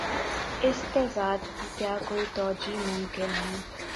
اس تضاد کی کیا کوئی توجیہہ ممکن ہے؟